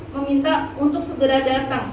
meminta untuk segera datang